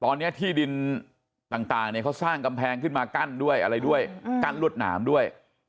ตอนนี้ที่ดินต่างเขาสร้างกำแพงขึ้นมากั้นด้วยอะไรด้วยกั้นรวดหนามด้วย